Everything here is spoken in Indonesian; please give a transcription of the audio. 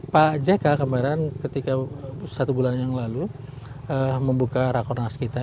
pak jk kemarin ketika satu bulan yang lalu membuka rakornas kita